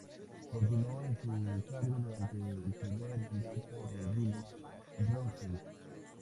Continuó en su cargo durante el primer mandato de Dilma Rousseff.